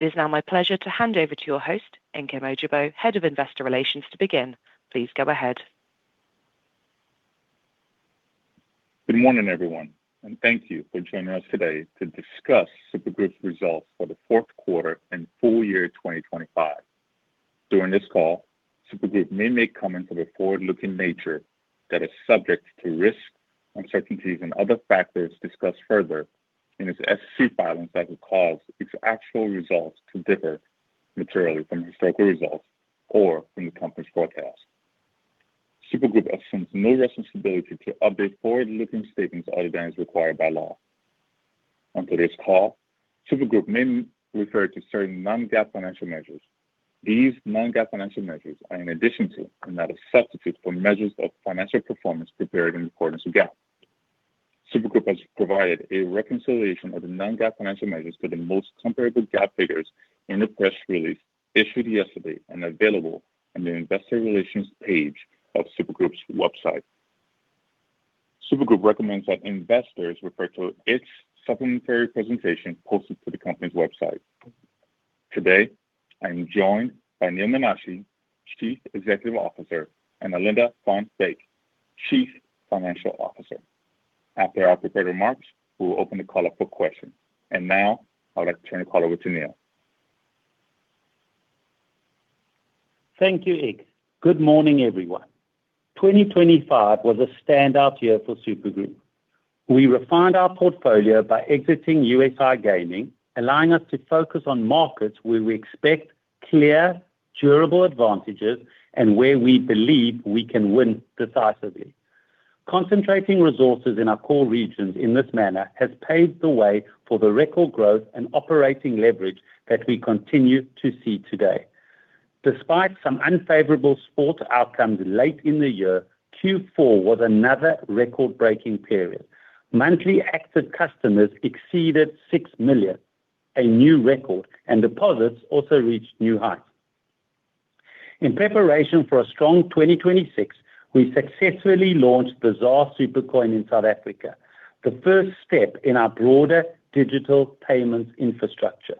It is now my pleasure to hand over to your host, Nkem Ojougboh, Head of Investor Relations, to begin. Please go ahead. Good morning, everyone, and thank you for joining us today to discuss Super Group's results for the fourth quarter and full year 2025. During this call, Super Group may make comments of a forward-looking nature that are subject to risks, uncertainties, and other factors discussed further in its SEC filings that could cause its actual results to differ materially from historical results or from the company's forecast. Super Group assumes no responsibility to update forward-looking statements other than as required by law. On today's call, Super Group may refer to certain non-GAAP financial measures. These non-GAAP financial measures are in addition to, and not a substitute for, measures of financial performance prepared in accordance with GAAP. Super Group has provided a reconciliation of the non-GAAP financial measures to the most comparable GAAP figures in the press release issued yesterday and available on the Investor Relations page of Super Group's website. Super Group recommends that investors refer to its supplementary presentation posted to the company's website. Today, I am joined by Neal Menashe, Chief Executive Officer, and Alinda van Wyk, Chief Financial Officer. After our prepared remarks, we will open the call up for questions. Now I'd like to turn the call over to Neal. Thank you, Nkem. Good morning, everyone. 2025 was a standout year for Super Group. We refined our portfolio by exiting U.S. iGaming, allowing us to focus on markets where we expect clear, durable advantages and where we believe we can win decisively. Concentrating resources in our core regions in this manner has paved the way for the record growth and operating leverage that we continue to see today. Despite some unfavorable sport outcomes late in the year, Q4 was another record-breaking period. Monthly active customers exceeded 6 million, a new record, and deposits also reached new heights. In preparation for a strong 2026, we successfully launched the ZAR Supercoin in South Africa, the first step in our broader digital payments infrastructure.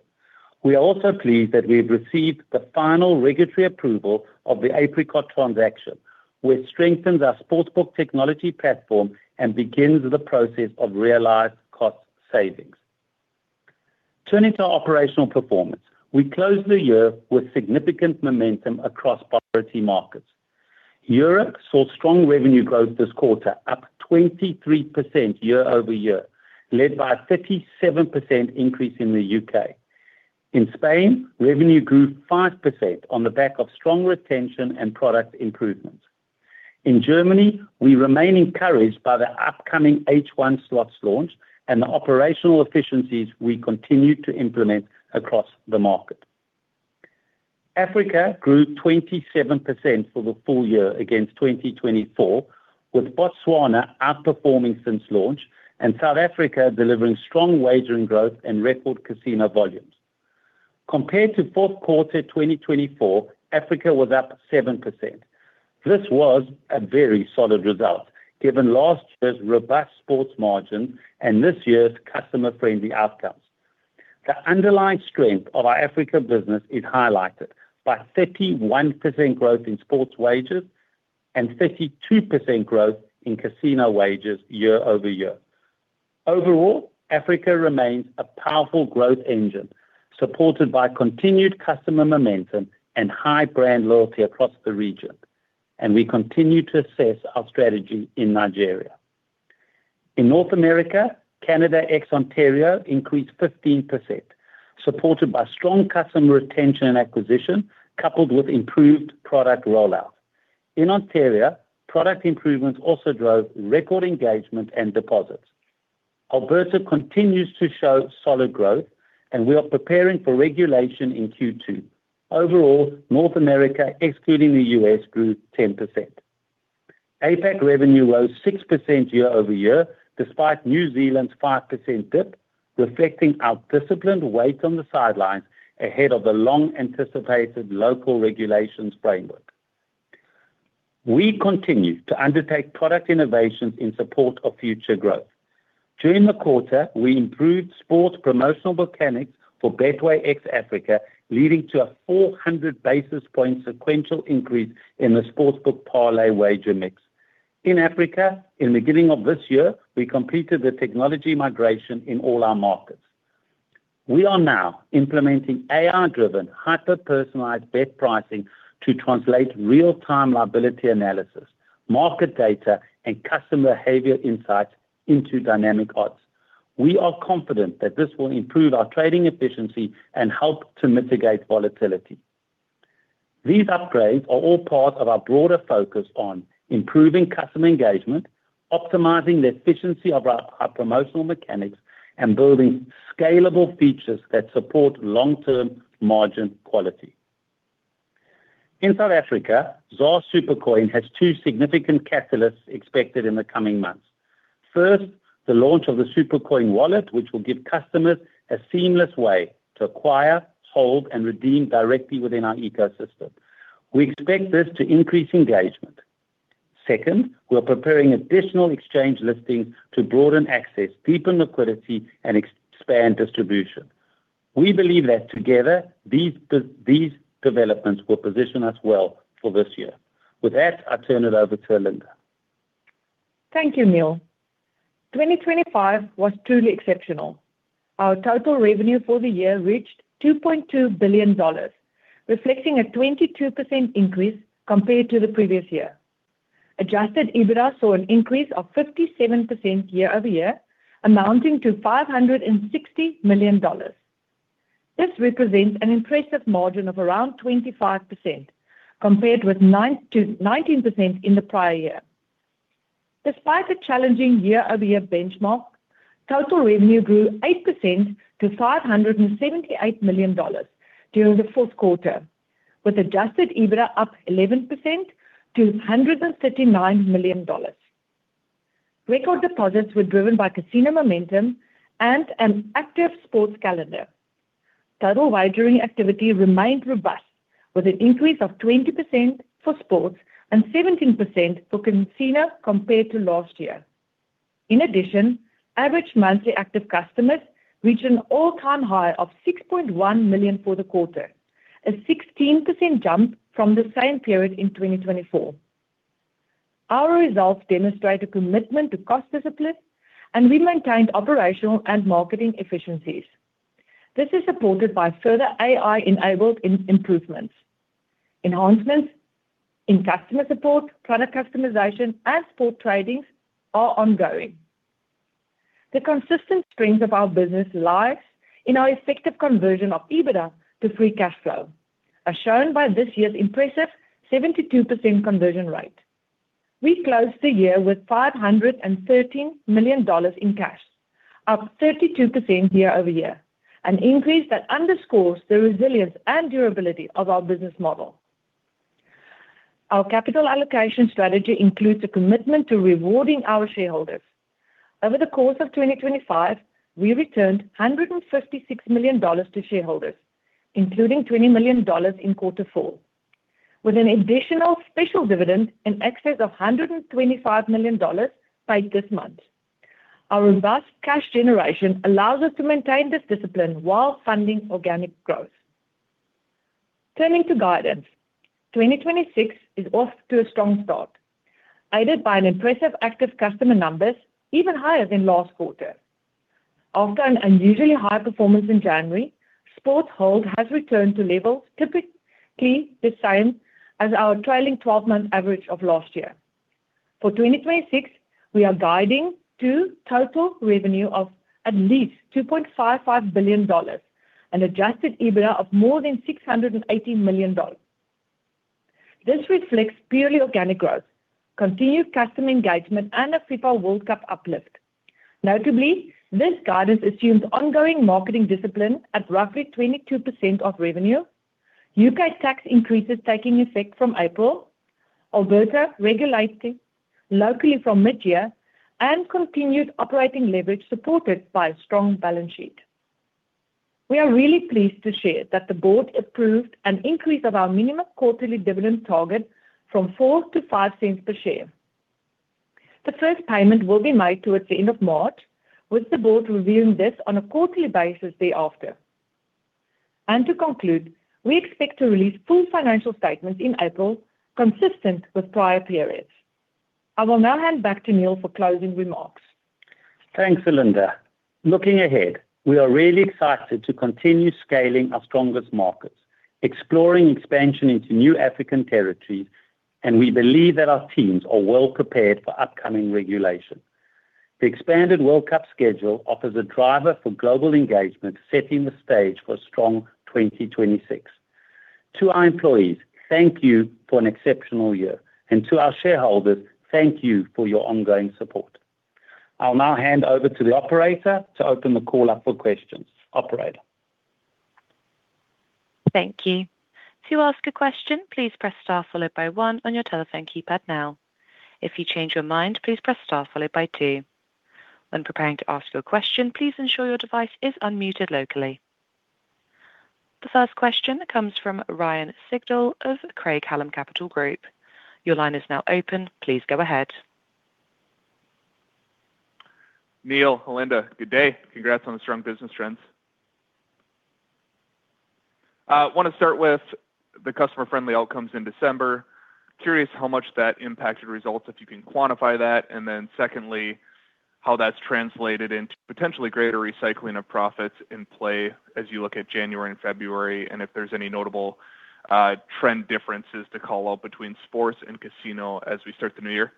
We are also pleased that we've received the final regulatory approval of the Apricot transaction, which strengthens our sportsbook technology platform and begins the process of realized cost savings. Turning to operational performance, we closed the year with significant momentum across priority markets. Europe saw strong revenue growth this quarter, up 23% year-over-year, led by a 37% increase in the U.K. In Spain, revenue grew 5% on the back of strong retention and product improvements. In Germany, we remain encouraged by the upcoming H1 slots launch and the operational efficiencies we continue to implement across the market. Africa grew 27% for the full year against 2024, with Botswana outperforming since launch and South Africa delivering strong wagering growth and record casino volumes. Compared to fourth quarter 2024, Africa was up 7%. This was a very solid result, given last year's robust sports margin and this year's customer-friendly outcomes. The underlying strength of our Africa business is highlighted by 31% growth in sports wagers and 32% growth in casino wagers year-over-year. Overall, Africa remains a powerful growth engine, supported by continued customer momentum and high brand loyalty across the region. We continue to assess our strategy in Nigeria. In North America, Canada ex-Ontario increased 15%, supported by strong customer retention and acquisition, coupled with improved product rollout. In Ontario, product improvements also drove record engagement and deposits. Alberta continues to show solid growth. We are preparing for regulation in Q2. Overall, North America, excluding the U.S., grew 10%. APAC revenue rose 6% year-over-year, despite New Zealand's 5% dip, reflecting our disciplined wait on the sidelines ahead of the long-anticipated local regulations framework. We continue to undertake product innovations in support of future growth. During the quarter, we improved sports promotional mechanics for Betway ex Africa, leading to a 400 basis point sequential increase in the sportsbook parlay wager mix. In Africa, in the beginning of this year, we completed the technology migration in all our markets. We are now implementing AI-driven, hyper-personalized bet pricing to translate real-time liability analysis, market data, and customer behavior insights into dynamic odds. We are confident that this will improve our trading efficiency and help to mitigate volatility. These upgrades are all part of our broader focus on improving customer engagement, optimizing the efficiency of our promotional mechanics, and building scalable features that support long-term margin quality. In South Africa, ZAR Supercoin has two significant catalysts expected in the coming months. First, the launch of the Supercoin wallet, which will give customers a seamless way to acquire, hold, and redeem directly within our ecosystem. We expect this to increase engagement. Second, we are preparing additional exchange listings to broaden access, deepen liquidity, and expand distribution. We believe that together, these developments will position us well for this year. With that, I turn it over to Alinda. Thank you, Neal. 2025 was truly exceptional. Our total revenue for the year reached $2.2 billion, reflecting a 22% increase compared to the previous year. Adjusted EBITDA saw an increase of 57% year-over-year, amounting to $560 million. This represents an impressive margin of around 25%, compared with 9%-19% in the prior year. Despite the challenging year-over-year benchmark, total revenue grew 8% to $578 million during the fourth quarter, with Adjusted EBITDA up 11% to $139 million. Record deposits were driven by casino momentum and an active sports calendar. Total wagering activity remained robust, with an increase of 20% for sports and 17% for casino compared to last year. Average monthly active customers reached an all-time high of 6.1 million for the quarter, a 16% jump from the same period in 2024. Our results demonstrate a commitment to cost discipline, and we maintained operational and marketing efficiencies. This is supported by further AI-enabled improvements. Enhancements in customer support, product customization, and sports tradings are ongoing. The consistent strength of our business lies in our effective conversion of EBITDA to free cash flow, as shown by this year's impressive 72% conversion rate. We closed the year with $513 million in cash, up 32% year-over-year, an increase that underscores the resilience and durability of our business model. Our capital allocation strategy includes a commitment to rewarding our shareholders. Over the course of 2025, we returned $156 million to shareholders, including $20 million in quarter four, with an additional special dividend in excess of $125 million paid this month. Our robust cash generation allows us to maintain this discipline while funding organic growth. Turning to guidance, 2026 is off to a strong start, aided by an impressive active customer numbers, even higher than last quarter. After an unusually high performance in January, sports hold has returned to levels typically the same as our trailing 12-month average of last year. For 2026, we are guiding to total revenue of at least $2.55 billion and Adjusted EBITDA of more than $680 million. This reflects purely organic growth, continued customer engagement, and a FIFA World Cup uplift. Notably, this guidance assumes ongoing marketing discipline at roughly 22% of revenue, U.K. tax increases taking effect from April, Alberta regulating locally from mid-year, and continued operating leverage supported by a strong balance sheet. We are really pleased to share that the board approved an increase of our minimum quarterly dividend target from $0.04 to $0.05 per share. The first payment will be made towards the end of March, with the board reviewing this on a quarterly basis thereafter. To conclude, we expect to release full financial statements in April, consistent with prior periods. I will now hand back to Neal for closing remarks. Thanks, Alinda. Looking ahead, we are really excited to continue scaling our strongest markets, exploring expansion into new African territories, and we believe that our teams are well prepared for upcoming regulation. The expanded World Cup schedule offers a driver for global engagement, setting the stage for a strong 2026. To our employees, thank you for an exceptional year, and to our shareholders, thank you for your ongoing support. I'll now hand over to the operator to open the call up for questions. Operator? Thank you. To ask a question, please press star followed by one on your telephone keypad now. If you change your mind, please press star followed by two. When preparing to ask your question, please ensure your device is unmuted locally. The first question comes from Ryan Sigdahl of Craig-Hallum Capital Group. Your line is now open. Please go ahead. Neal, Alinda, good day. Congrats on the strong business trends. want to start with the customer-friendly outcomes in December. Curious how much that impacted results, if you can quantify that, and then secondly, how that's translated into potentially greater recycling of profits in play as you look at January and February, and if there's any notable trend differences to call out between sports and casino as we start the new year?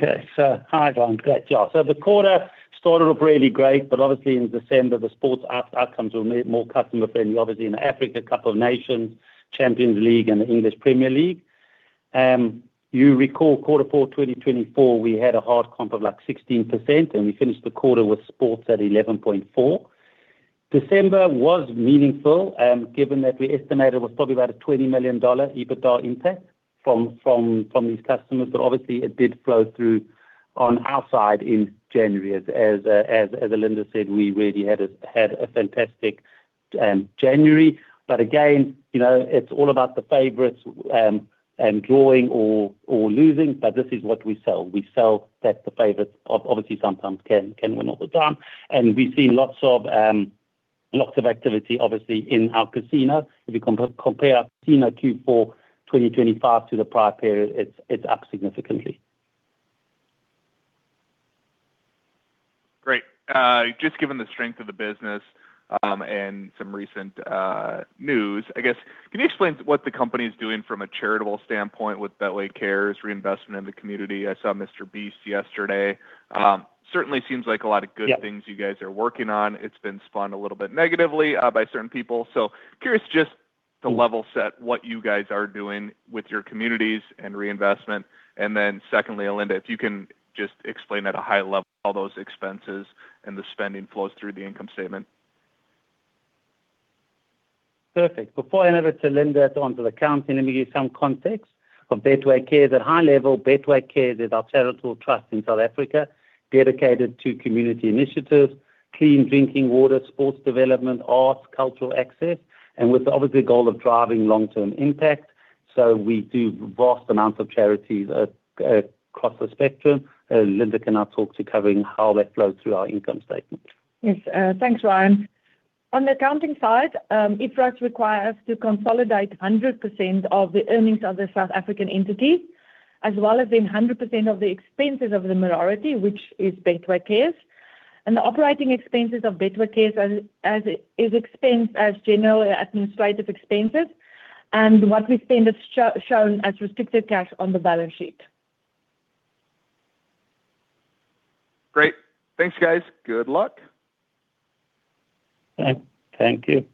Hi, Ryan. Great job. The quarter started off really great, but obviously in December, the sports outcomes were more customer-friendly, obviously, in Africa Cup of Nations, Champions League, and the English Premier League. You recall Q4 2024, we had a hard comp of like 16%, and we finished the quarter with sports at 11.4. December was meaningful, and given that we estimated it was probably about a $20 million EBITDA impact from these customers. Obviously, it did flow through on our side in January. As Alinda said, we really had a fantastic January. Again, you know, it's all about the favorites drawing or losing, but this is what we sell. We sell that the favorites obviously sometimes can win all the time. We've seen lots of, lots of activity, obviously, in our casino. If you compare our casino Q4 2025 to the prior period, it's up significantly. Great. Just given the strength of the business, and some recent, news, I guess, can you explain what the company is doing from a charitable standpoint with Betway Cares reinvestment in the community? I saw Jimmy Donaldson yesterday. Certainly seems like a lot of good— Yeah. —things you guys are working on. It's been spun a little bit negatively by certain people. Curious, just to level set what you guys are doing with your communities and reinvestment. Secondly, Alinda, if you can just explain at a high level all those expenses and the spending flows through the income statement. Perfect. Before I hand over to Alinda onto the accounting, let me give some context of Betway Cares. At high level, Betway Cares is our charitable trust in South Africa, dedicated to community initiatives, clean drinking water, sports development, arts, cultural access, and with obviously goal of driving long-term impact. We do vast amounts of charities across the spectrum. Alinda can now talk to covering how that flows through our income statement. Yes, thanks, Ryan. On the accounting side, IFRS require us to consolidate 100% of the earnings of the South African entity, as well as in 100% of the expenses of the minority, which is Betway Cares. The operating expenses of Betway Cares as it is expensed as general administrative expenses, and what we spend is shown as restricted cash on the balance sheet. Great. Thanks, guys. Good luck. Thank you.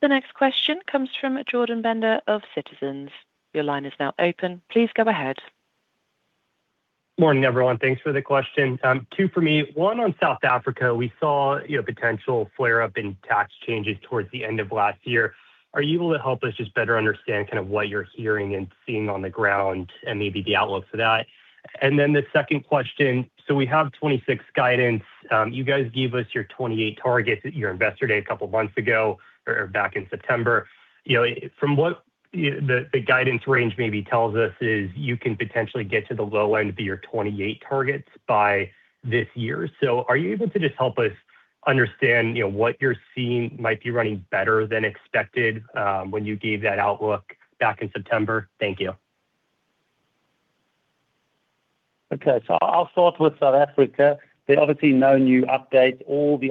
The next question comes from Jordan Bender of Citizens. Your line is now open. Please go ahead. Morning, everyone. Thanks for the question. Two for me. One on South Africa, we saw, you know, potential flare-up in tax changes towards the end of last year. Are you able to help us just better understand kind of what you're hearing and seeing on the ground and maybe the outlook for that? The second question. We have 2026 guidance. You guys gave us your 2028 targets at your Investor Day a couple of months ago or back in September. You know, from what the guidance range maybe tells us is you can potentially get to the low end of your 2028 targets by this year. Are you able to just help us understand, you know, what you're seeing might be running better than expected when you gave that outlook back in September? Thank you. I'll start with South Africa. There are obviously no new updates. All the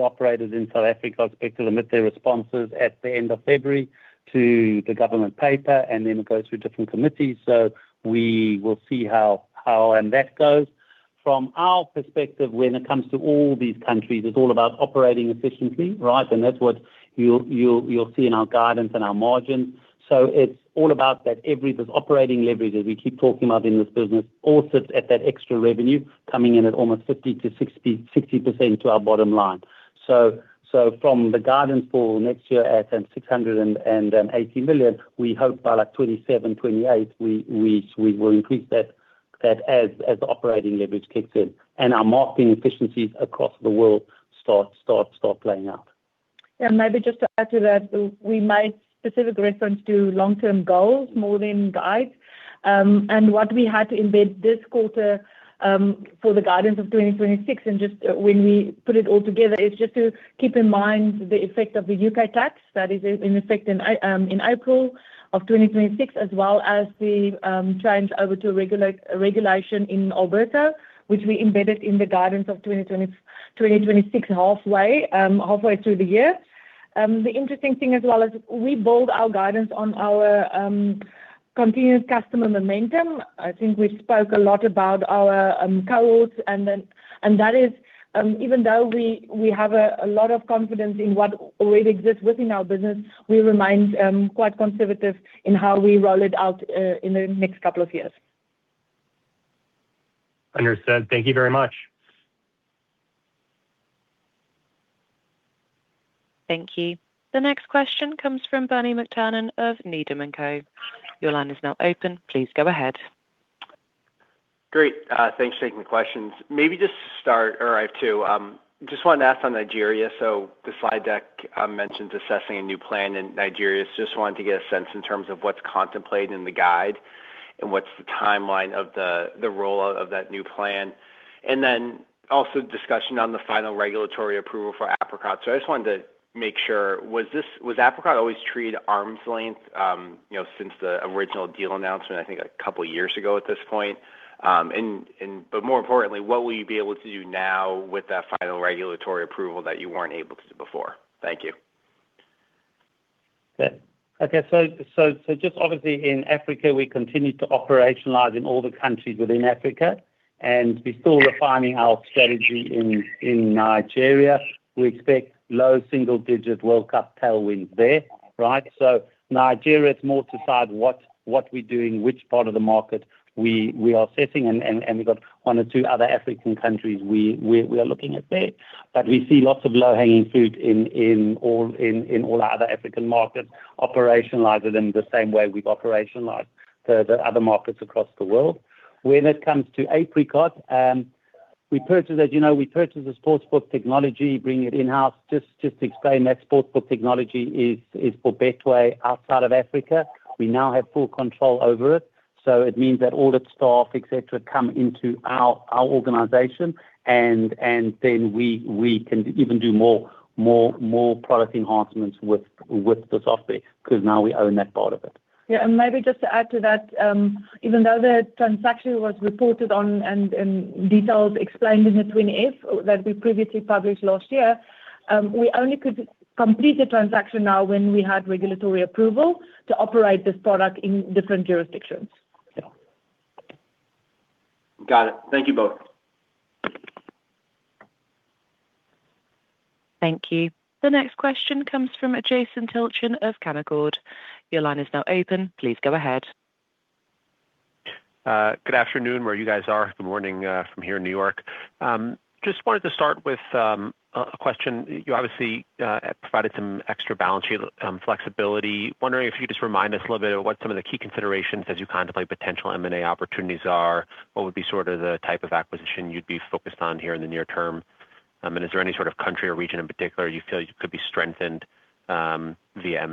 operators in South Africa are expected to submit their responses at the end of February to the government paper, and then it goes through different committees, so we will see how that goes. From our perspective, when it comes to all these countries, it's all about operating efficiently, right? That's what you'll see in our guidance and our margins. It's all about this operating leverage, as we keep talking about in this business, all sits at that extra revenue coming in at almost 50%-60% to our bottom line. From the guidance for next year at $680 million, we hope by like 2027, 2028, we will increase that as the operating leverage kicks in and our marketing efficiencies across the world start playing out. Yeah, maybe just to add to that, we made specific reference to long-term goals more than guides. What we had to embed this quarter, for the guidance of 2026, and just when we put it all together, is just to keep in mind the effect of the U.K. tax that is in effect, in April of 2026, as well as the change over to a regulation in Alberta, which we embedded in the guidance of 2020, 2026, halfway through the year. The interesting thing as well is we build our guidance on our continuous customer momentum. I think we spoke a lot about our cohorts, and that is, even though we have a lot of confidence in what already exists within our business, we remain quite conservative in how we roll it out in the next couple of years. Understood. Thank you very much. Thank you. The next question comes from Bernie McTernan of Needham & Company. Your line is now open. Please go ahead. Great. Thanks for taking the questions. Maybe just to start, or I have two, just wanted to ask on Nigeria. The slide deck mentions assessing a new plan in Nigeria. Just wanted to get a sense in terms of what's contemplated in the guide and what's the timeline of the rollout of that new plan. Also discussion on the final regulatory approval for Apricot. I just wanted to make sure, was Apricot always treated arm's length, you know, since the original deal announcement, I think two years ago at this point? More importantly, what will you be able to do now with that final regulatory approval that you weren't able to do before? Thank you. Okay, so just obviously in Africa, we continue to operationalize in all the countries within Africa. We're still refining our strategy in Nigeria. We expect low single-digit World Cup tailwinds there, right? Nigeria, it's more to decide what we do, in which part of the market we are sitting, and we've got one or two other African countries we are looking at there. We see lots of low-hanging fruit in all our other African markets, operationalize it in the same way we've operationalized the other markets across the world. When it comes to Apricot, we purchased, as you know, we purchased the sportsbook technology, bringing it in-house. Just to explain that sportsbook technology is for Betway outside of Africa. We now have full control over it, so it means that all the staff, et cetera, come into our organization and then we can even do more product enhancements with the software because now we own that part of it. Maybe just to add to that, even though the transaction was reported on and details explained in the Form 20-F that we previously published last year, we only could complete the transaction now when we had regulatory approval to operate this product in different jurisdictions. Got it. Thank you both. Thank you. The next question comes from Jason Tilchen of Canaccord. Your line is now open. Please go ahead. Good afternoon, where you guys are. Good morning from here in New York. Just wanted to start with a question. You obviously provided some extra balance sheet flexibility. Wondering if you could just remind us a little bit of what some of the key considerations as you contemplate potential M&A opportunities are? What would be sort of the type of acquisition you'd be focused on here in the near term? Is there any sort of country or region in particular you feel you could be strengthened via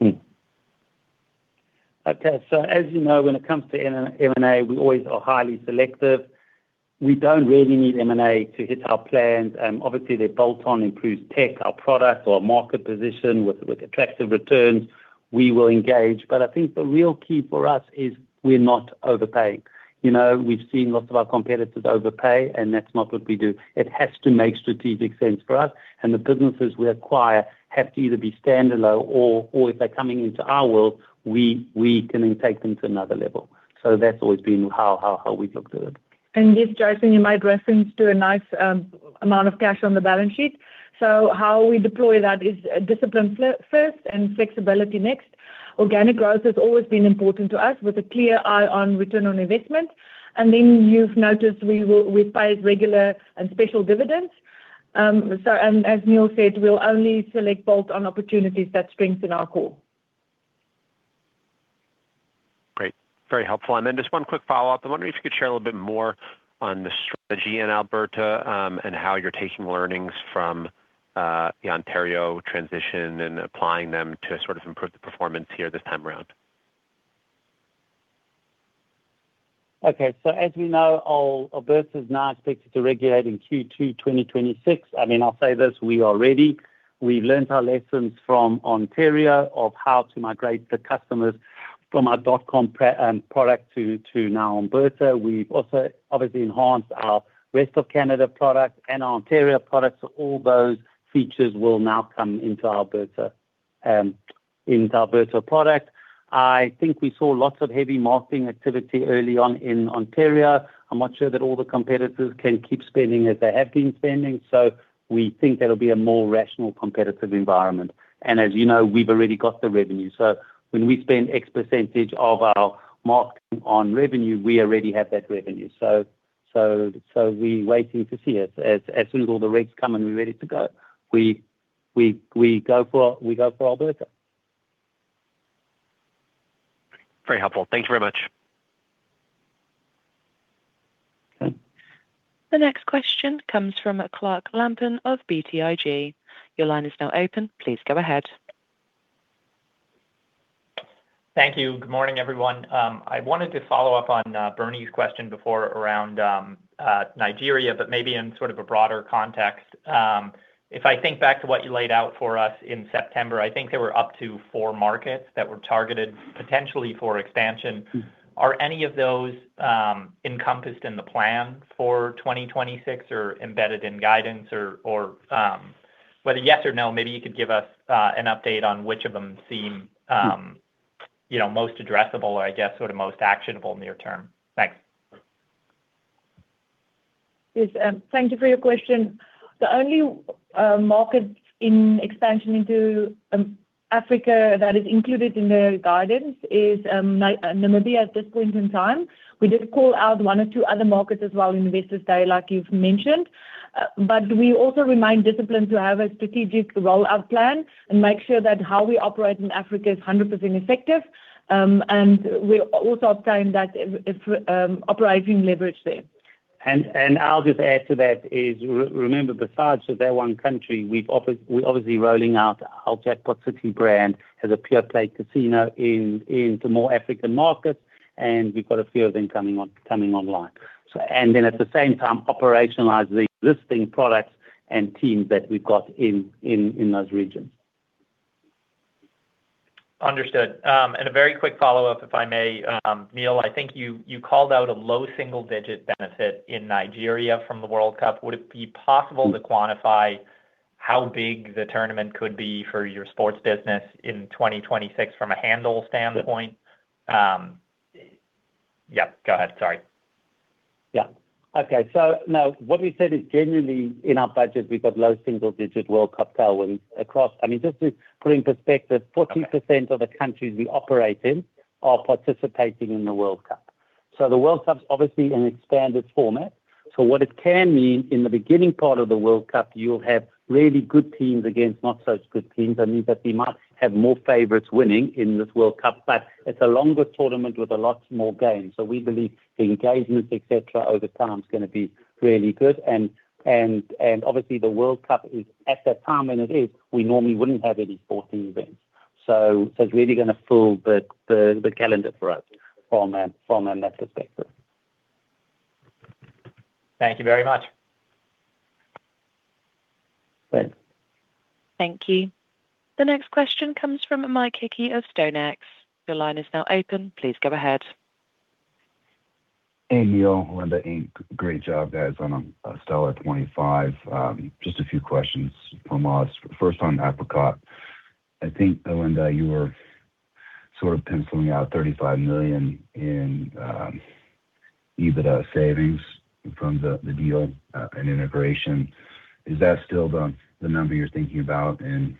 M&A? Okay, as you know, when it comes to M&A, we always are highly selective. We don't really need M&A to hit our plans. Obviously, the bolt-on improves tech, our product or market position with attractive returns, we will engage. I think the real key for us is we're not overpaying. You know, we've seen lots of our competitors overpay, and that's not what we do. It has to make strategic sense for us, and the businesses we acquire have to either be standalone or if they're coming into our world, we can then take them to another level. That's always been how we've looked at it. Yes, Jason, you made reference to a nice amount of cash on the balance sheet. How we deploy that is discipline first and flexibility next. Organic growth has always been important to us, with a clear eye on ROI. Then you've noticed we pay regular and special dividends. As Neal said, we'll only select bolt-on opportunities that strengthen our core. Great. Very helpful. Just one quick follow-up. I'm wondering if you could share a little bit more on the strategy in Alberta? and how you're taking learnings from the Ontario transition and applying them to sort of improve the performance here this time around. As we know, Alberta is now expected to regulate in Q2 2026. I mean, I'll say this, we are ready. We've learned our lessons from Ontario of how to migrate the customers from our dot-com product to now Alberta. We've also obviously enhanced our rest of Canada products and our Ontario products. All those features will now come into Alberta product. I think we saw lots of heavy marketing activity early on in Ontario. I'm not sure that all the competitors can keep spending as they have been spending, we think that'll be a more rational, competitive environment. As you know, we've already got the revenue. When we spend X percentage of our marketing on revenue, we already have that revenue. We waiting to see. As soon as all the regs come and we're ready to go, we go for Alberta. Very helpful. Thank you very much. Okay. The next question comes from Clark Lampen of BTIG. Your line is now open. Please go ahead. Thank you. Good morning, everyone. I wanted to follow up on Bernie's question before around Nigeria, but maybe in sort of a broader context. If I think back to what you laid out for us in September, I think there were up to four markets that were targeted potentially for expansion. Hmm. Are any of those encompassed in the plan for 2026 or embedded in guidance? Whether yes or no, maybe you could give us an update on which of them seem, you know, most addressable or I guess sort of most actionable near term. Thanks. Yes, thank you for your question. The only market in expansion into Africa that is included in the guidance is Namibia at this point in time. We did call out one or two other markets as well in Investors Day, like you've mentioned, but we also remain disciplined to have a strategic rollout plan and make sure that how we operate in Africa is 100% effective, and we're also obtaining that operating leverage there. I'll just add to that is remember, besides that one country, we're obviously rolling out our Jackpot City brand as a pure-play casino into more African markets, and we've got a few of them coming online. At the same time, operationalize the existing products and teams that we've got in those regions. Understood. A very quick follow-up, if I may. Neal, I think you called out a low single-digit benefit in Nigeria from the World Cup. Would it be possible to quantify? How big the tournament could be for your sports business in 2026 from a handle standpoint? Yeah, go ahead. Sorry. Yeah. Okay, now what we said is genuinely in our budget, we've got low single-digit World Cup tailwinds across. I mean, just to put in perspective, 40% of the countries we operate in are participating in the World Cup. The World Cup's obviously an expanded format. What it can mean, in the beginning part of the World Cup, you'll have really good teams against not such good teams. I mean, that we might have more favorites winning in this World Cup, but it's a longer tournament with a lot more games. We believe the engagement, et cetera, over time is gonna be really good. Obviously, the World Cup is at that time, and it is, we normally wouldn't have any sporting events, so it's really gonna fill the, the calendar for us from a, from a macro perspective. Thank you very much. Great. Thank you. The next question comes from Mike Hickey of StoneX. Your line is now open. Please go ahead. Hey, Neal, Alinda. Great job, guys, on a stellar 25. Just a few questions from us. First, on Apricot. I think, Alinda, you were sort of penciling out $35 million in EBITDA savings from the deal and integration. Is that still the number you're thinking about in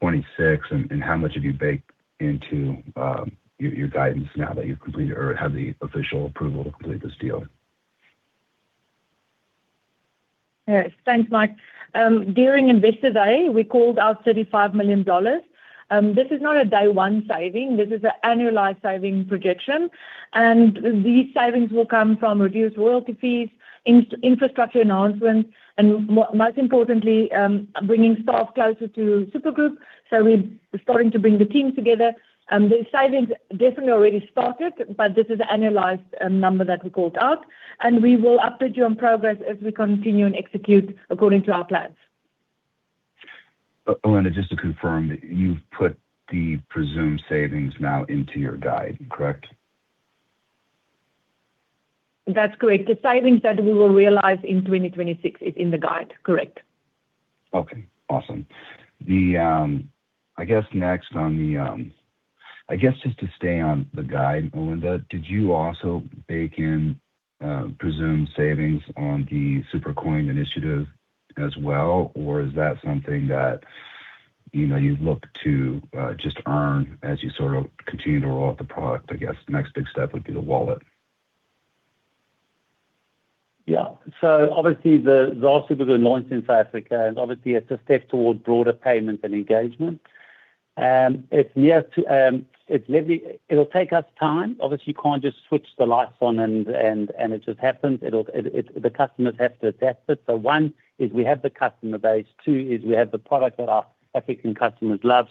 2026? How much have you baked into your guidance now that you've completed or have the official approval to complete this deal? Yeah. Thanks, Mike. During Investor Day, we called out $35 million. This is not a day one saving, this is an annual life saving projection. These savings will come from reduced royalty fees, infrastructure enhancements, and most importantly, bringing staff closer to Super Group. We're starting to bring the teams together, and the savings definitely already started, but this is the annualized number that we called out, and we will update you on progress as we continue and execute according to our plans. Alinda, just to confirm, you've put the presumed savings now into your guide, correct? That's correct. The savings that we will realize in 2026 is in the guide, correct. Awesome. I guess just to stay on the guide, Alinda, did you also bake in presumed savings on the Supercoin initiative as well, or is that something that, you know, you look to just earn as you sort of continue to roll out the product? I guess the next big step would be the wallet. Yeah. Obviously, the Super Group launch in South Africa, and obviously it's a step towards broader payment and engagement. It's yet to, it'll take us time. Obviously, you can't just switch the lights on and it just happens. The customers have to adapt it. One, is we have the customer base. Two, is we have the product that our African customers love,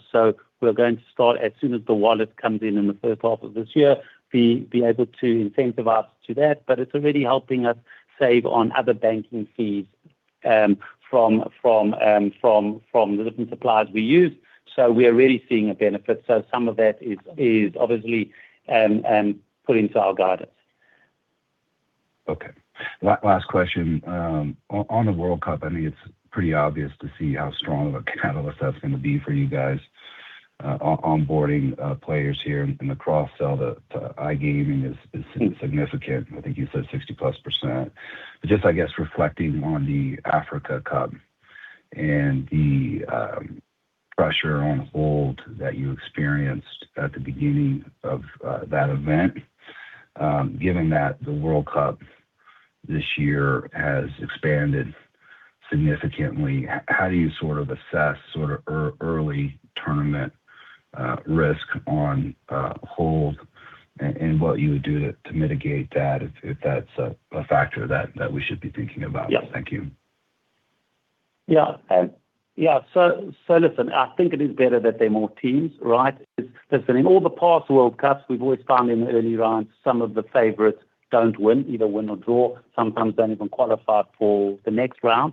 we're going to start as soon as the wallet comes in in the first half of this year, be able to incentivize to that. It's already helping us save on other banking fees, from the different suppliers we use. We are really seeing a benefit. Some of that is obviously put into our guidance. Okay. Last question. On the World Cup, I mean, it's pretty obvious to see how strong of a catalyst that's gonna be for you guys. Onboarding players here and the cross-sell, the iGaming is significant. I think you said 60%+. Just, I guess, reflecting on the Africa Cup and the pressure on hold that you experienced at the beginning of that event, given that the World Cup this year has expanded significantly, how do you sort of assess sort of early tournament risk on hold, and what you would do to mitigate that if that's a factor that we should be thinking about? Yeah. Thank you. Yeah, yeah. Listen, I think it is better that there are more teams, right? 'Cause listen, in all the past World Cups, we've always found in the early rounds, some of the favorites don't win, either win or draw, sometimes don't even qualify for the next round.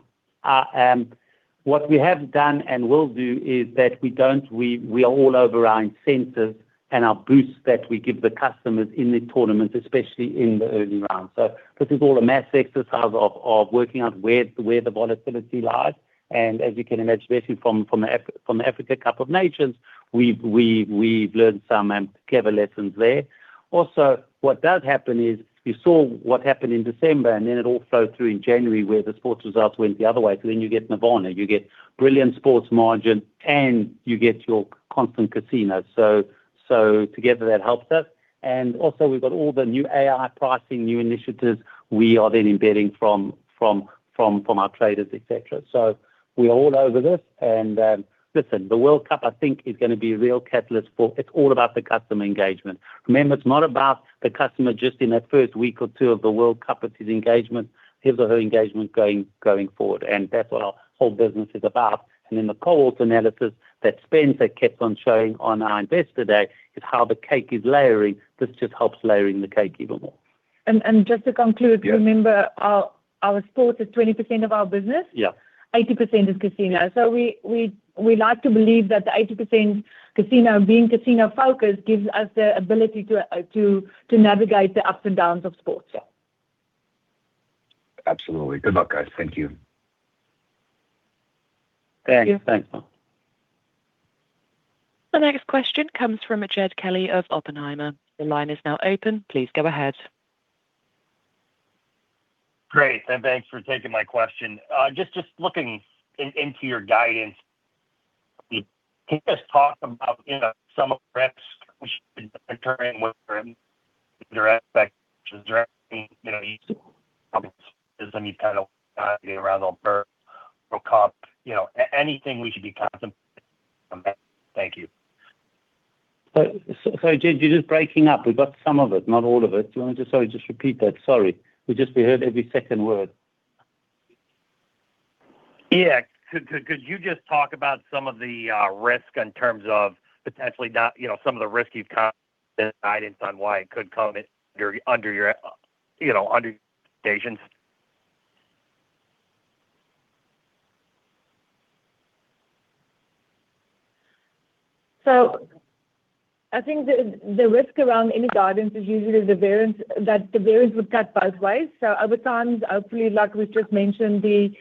What we have done and will do is that we are all over our incentives and our boosts that we give the customers in the tournament, especially in the early rounds. This is all a mass exercise of working out where the volatility lies. As you can imagine, basically from Africa Cup of Nations, we've learned some clever lessons there. Also, what does happen is, you saw what happened in December, and then it all flowed through in January, where the sports results went the other way. You get nirvana, you get brilliant sports margin, and you get your constant casino. So together, that helps us. Also, we've got all the new AI pricing, new initiatives we are then embedding from our traders, et cetera. We are all over this. Listen, the World Cup, I think is gonna be a real catalyst for—it's all about the customer engagement. Remember, it's not about the customer just in that first week or two of the World Cup, it's his engagement, his or her engagement going forward, and that's what our whole business is about. The cohorts analysis that Spencer kept on showing on our Investor Day is how the cake is layering. This just helps layering the cake even more. Just to conclude, remember, our sport is 20% of our business— Yeah. —80% is casino. We like to believe that the 80% casino, being casino-focused, gives us the ability to navigate the ups and downs of sports, yeah. Absolutely. Good luck, guys. Thank you. Thanks, Mike. Thank you. The next question comes from Jed Kelly of Oppenheimer. The line is now open. Please go ahead. Great. Thanks for taking my question. Just looking into your guidance, can you just talk about, you know, some of the risks which have been occurring with them, their aspect, you know, you know, anything we should be contemplating? Thank you. Jed, you're just breaking up. We got some of it, not all of it. Do you want to just sorry, just repeat that? Sorry. We just, we heard every second word. Yeah. Could you just talk about some of the risk in terms of potentially not, you know, some of the risk you've got guidance on why it could come in under your, you know, under stations? I think the risk around any guidance is usually the variance, that the variance would cut both ways. Over time, hopefully, like we just mentioned, the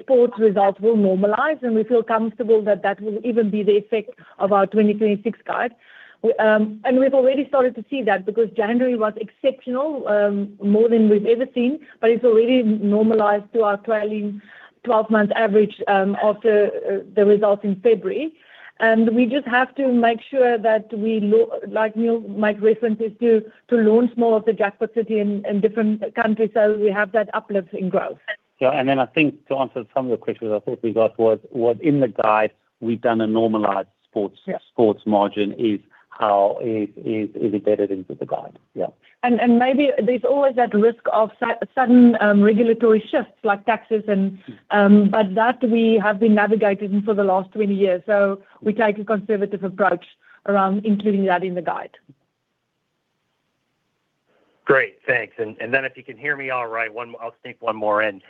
sports results will normalize, and we feel comfortable that that will even be the effect of our 2026 guide. And we've already started to see that because January was exceptional, more than we've ever seen, but it's already normalized to our trailing 12-month average, after the results in February. We just have to make sure that we like Neal made references to launch more of the Jackpot City in different countries, so we have that uplift in growth. I think to answer some of your questions, I think we got was in the guide, we've done a normalized sports— Yeah. —sports margin is how is embedded into the guide. Yeah. And maybe there's always that risk of sudden regulatory shifts like taxes and, but that we have been navigating for the last 20 years. We take a conservative approach around including that in the guide. Great. Thanks. If you can hear me all right, I'll sneak one more in.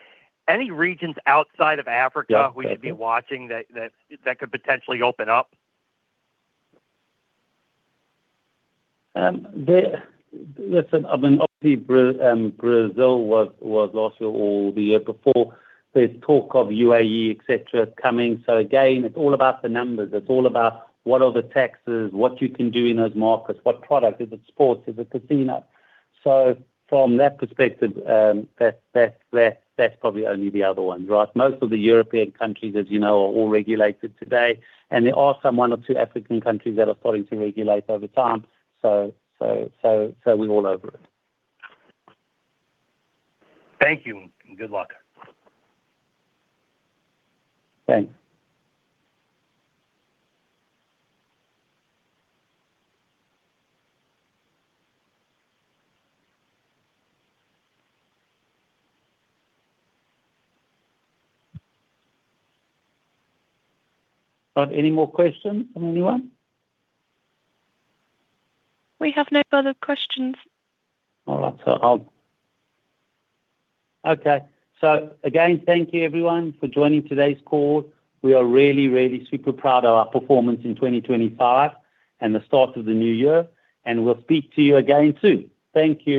Any regions outside of Africa— Yeah. —we should be watching that could potentially open up? There, listen, I mean, obviously, Brazil was last year or the year before. There's talk of UAE, et cetera, coming. Again, it's all about the numbers. It's all about what are the taxes, what you can do in those markets, what product, is it sports, is it casino? From that perspective, that's probably only the other one, right? Most of the European countries, as you know, are all regulated today, and there are some one or two African countries that are starting to regulate over time, we're all over it. Thank you, and good luck. Thanks. Are any more questions from anyone? We have no further questions. Okay. Again, thank you everyone for joining today's call. We are really super proud of our performance in 2025 and the start of the new year, and we'll speak to you again soon. Thank you.